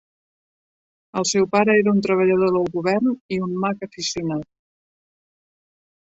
El seu pare era un treballador del govern i un mag aficionat.